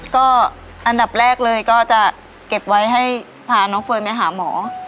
ก็อันดับแรกเลยก็จะเก็บไว้ให้พาน้องเฟิร์นไปหาหมอ